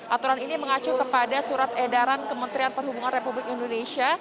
aturan ini mengacu kepada surat edaran kementerian perhubungan republik indonesia